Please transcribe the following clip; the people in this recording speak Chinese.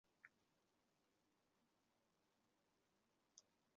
毛盔西藏糙苏为唇形科糙苏属下的一个变种。